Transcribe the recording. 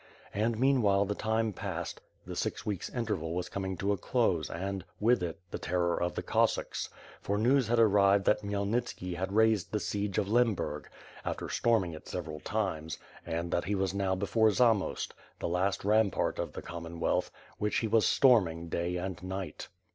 And meanwhile the time passed, the six weeks interval was coming to a close and, with it, the terror of the Cossacks; for news had arrived that Khmyelnitski had raised the siege of Lemburg, after storming it several times, and that he was now before Zamost, the last rampart of the Commonwealth, which he was storming day and night.